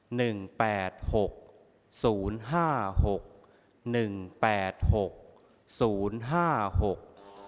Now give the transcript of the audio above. แปดหกศูนย์ห้าหกหนึ่งแปดหกศูนย์ห้าหก